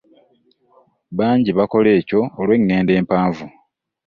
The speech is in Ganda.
Bangi bakola ekyo olw'eŋŋendo empanvu.